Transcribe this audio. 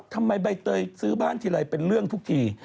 ทำไมใบเตยซื้อบ้านทีไรเป็นเรื่องทุกที